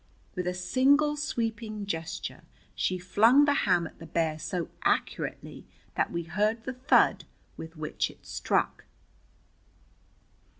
With a single sweeping gesture she flung the ham at the bear so accurately that we heard the thud with which it struck.